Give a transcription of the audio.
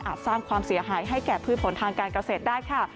สร้างความเสียหายให้แก่พืชผลทางการเกษตรได้ค่ะ